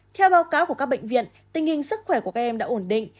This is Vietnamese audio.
theo báo cáo của các bệnh viện tình hình sức khỏe của các em đã ổn định